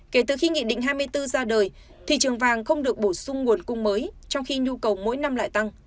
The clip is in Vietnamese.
kể từ khi nghị định hai mươi bốn ra đời thị trường vàng không được bổ sung nguồn cung mới trong khi nhu cầu mỗi năm lại tăng